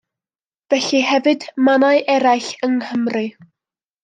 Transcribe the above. Felly hefyd mannau eraill yng Nghymru.